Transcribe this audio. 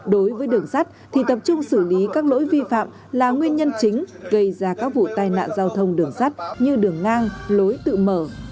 đối với đường sắt thì tập trung xử lý các lỗi vi phạm là nguyên nhân chính gây ra các vụ tai nạn giao thông đường sắt như đường ngang lối tự mở